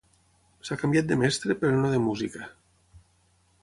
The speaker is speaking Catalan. S'ha canviat de mestre, però no de música.